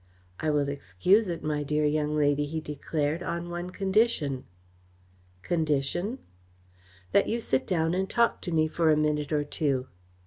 "I will excuse it, my dear young lady," he declared, "on one condition." "Condition?" "That you sit down and talk to me for a minute or two."